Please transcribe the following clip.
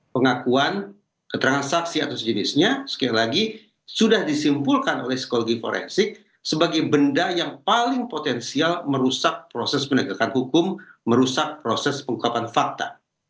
pengakuan keterangan saksi atau sejenisnya sekali lagi sudah disimpulkan oleh psikologi forensik sebagai benda yang paling potensial merusak proses penegakan hukum merusak proses pengungkapan fakta